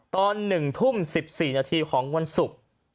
ตอน๑ทุ่ม๑๔นาทีของวันศุกร์